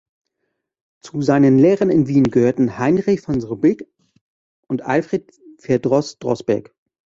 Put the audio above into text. Zu seinen Lehrern in Wien gehörten Heinrich von Srbik und Alfred Verdroß-Droßberg.